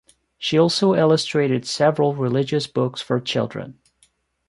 She also illustrated several religious books for children.